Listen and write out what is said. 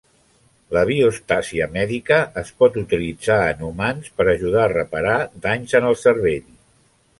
La biostàsia mèdica es pot utilitzar en humans per ajudar a reparar danys en el cervell.